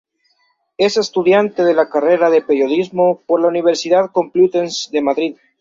Es estudiante de la carrera de Periodismo por la Universidad Complutense de Madrid.